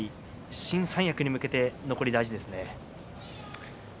新三役に向けて残りが大事ですね。